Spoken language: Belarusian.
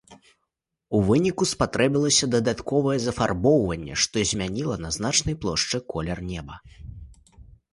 У выніку спатрэбілася дадатковае зафарбоўванне, што змяніла на значнай плошчы колер неба.